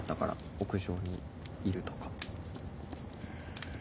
屋上にいるとか。